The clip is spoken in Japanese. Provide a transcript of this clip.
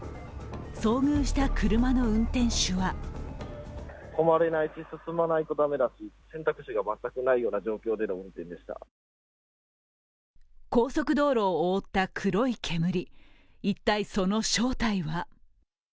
遭遇した車の運転手は高速道路を覆った黒い煙、一体、その正体は。